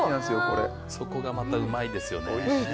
そこがまたうまいですよね。